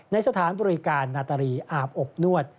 ในสถานบริการนาตรีอาบอบนวด